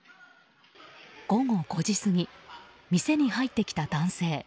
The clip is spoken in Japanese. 午後５時過ぎ店に入ってきた男性。